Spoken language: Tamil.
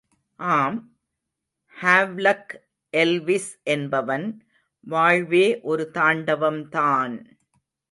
ஆம், ஹாவ்லக் எல்விஸ் என்பவன், வாழ்வே ஒரு தாண்டவம்தான்!